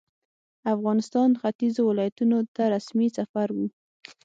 افغانستان ختیځو ولایتونو ته رسمي سفر وو.